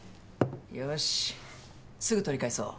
よしすぐ取り返そう。